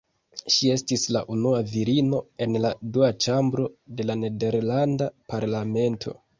Ŝi estis la unua virino en la Dua Ĉambro de la nederlanda parlamento.